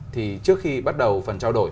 thì trước khi bắt đầu phần trao đổi